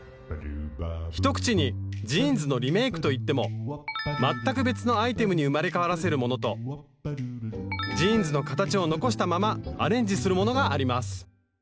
一口にジーンズのリメイクと言っても全く別のアイテムに生まれ変わらせるものとジーンズの形を残したままアレンジするものがあります